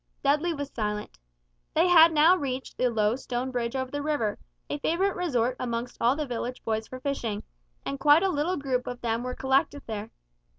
Dudley was silent. They had now reached the low stone bridge over the river, a favorite resort amongst all the village boys for fishing; and quite a little group of them were collected there.